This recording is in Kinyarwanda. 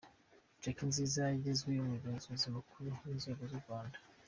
Jack Nziza yagizwe “Umugenzuzi Mukuru w’Ingabo z’u Rwanda”